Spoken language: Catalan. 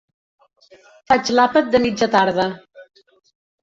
Faig l'àpat de mitja tarda.